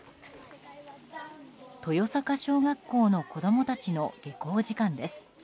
豊坂小学校の子供たちの下校時間です。